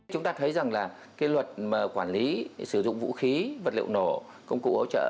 chúng ta thấy rằng là cái luật mà quản lý sử dụng vũ khí vật liệu nổ công cụ ấu trợ